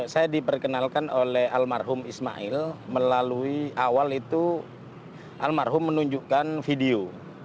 saya diperkenalkan oleh almarhum ismail melalui awal itu almarhum menunjukkan video